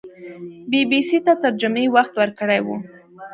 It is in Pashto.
بي بي سي ته تر جمعې وخت ورکړی وو